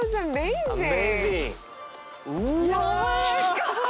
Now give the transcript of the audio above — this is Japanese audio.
やわらか！